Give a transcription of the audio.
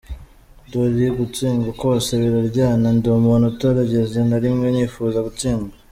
Ndoli: Gutsindwa kose biraryana, ndi umuntu utarigeze na rimwe nifuza gutsindwa.